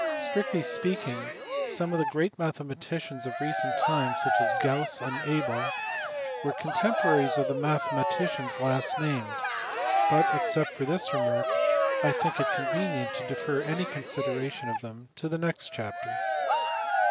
Strictly speaking some of the great mathe maticians of recent times, such as Gauss and Abel, were con temporaries of the mathematicians last named ; but, except for this remark, I think it convenient to defer any consideration of them to the next chapter.